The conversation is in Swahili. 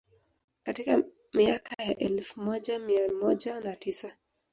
Katika miaka ya elfu moja mia moja na tisa